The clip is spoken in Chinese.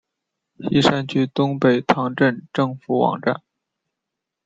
锡山区东北塘镇政府网站